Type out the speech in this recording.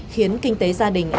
khiến kinh tế gia đình áp dụng